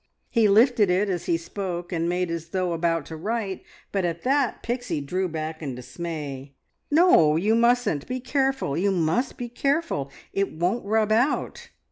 He lifted it as he spoke, and made as though about to write, but at that Pixie drew back in dismay. "No, you mustn't! Be careful, you must be careful. It won't rub out."